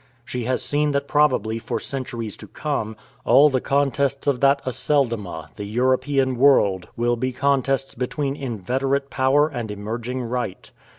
She has seen that probably for centuries to come, all the contests of that Aceldama, the European World, will be contests between inveterate power and emerging right.